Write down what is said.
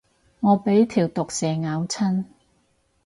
我俾條毒蛇咬親